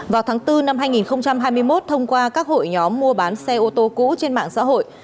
vào tháng bốn năm hai nghìn hai mươi một thông qua các hội nhóm mua bán xe ô tô cũ trên mạng xã hội